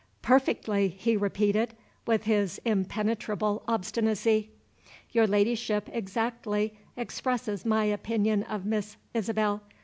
"Perfectly!" he repeated, with his impenetrable obstinacy. "Your Ladyship exactly expresses my opinion of Miss Isabel.